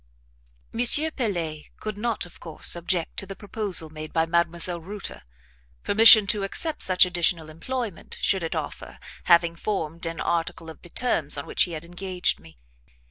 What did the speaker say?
M. PELET could not of course object to the proposal made by Mdlle. Reuter; permission to accept such additional employment, should it offer, having formed an article of the terms on which he had engaged me.